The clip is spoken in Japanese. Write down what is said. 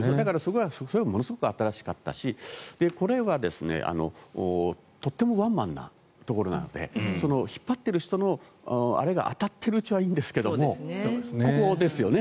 それはものすごい新しかったしこれはとてもワンマンなところなので引っ張っている人のあれが当たっているうちはいいんですけどここですよね。